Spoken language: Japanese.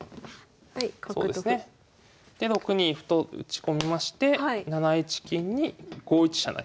はい角と歩。で６二歩と打ち込みまして７一金に５一飛車成。